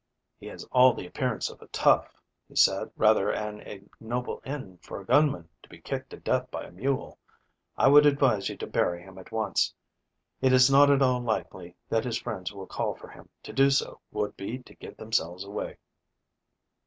"He has all the appearance of a tough," he said. "Rather an ignoble end for a gunman, to be kicked to death by a mule. I would advise you to bury him at once. It is not at all likely that his friends will call for him. To do so would be to give themselves away."